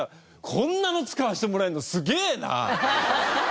こんなの使わせてもらえるのすげえな！